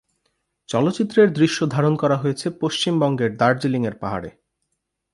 চলচ্চিত্রের দৃশ্যধারণ করা হয়েছে পশ্চিমবঙ্গের দার্জিলিং-এর পাহাড়ে।